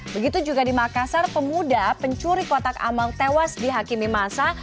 begitu juga di makassar pemuda pencuri kotak amal tewas dihakimi masa